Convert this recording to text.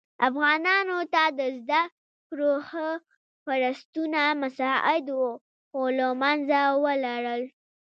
افغانانو ته د زده کړو ښه فرصتونه مساعد وه خو له منځه ولاړل.